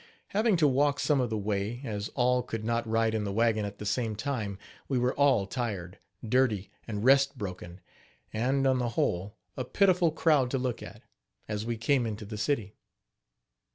Having to walk some of the way, as all could not ride in the wagon at the same time, we were all tired, dirty and rest broken, and, on the whole, a pitiful crowd to look at, as we came into the city.